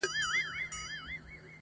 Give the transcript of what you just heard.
پر اسمان یې د پردیو غوبل جوړ دی؛